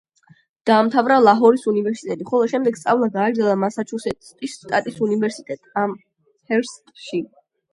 დაამთავრა ლაჰორის უნივერსიტეტი, ხოლო შემდეგ სწავლა გააგრძელა მასაჩუსეტსის შტატის უნივერსიტეტი ამჰერსტში.